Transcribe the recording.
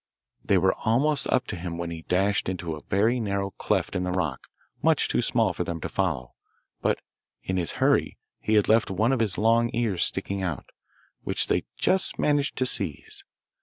They were almost up to him when he dashed into a very narrow cleft in the rock, much too small for them to follow; but in his hurry he had left one of his long ears sticking out, which they just managed to seize.